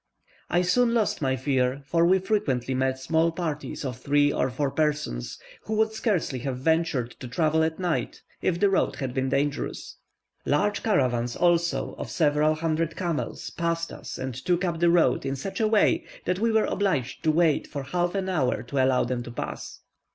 I soon lost my fear, for we frequently met small parties of three or four persons, who would scarcely have ventured to travel at night if the road had been dangerous. Large caravans also, of several hundred camels, passed us and took up the road in such a way, that we were obliged to wait for half an hour to allow them to pass.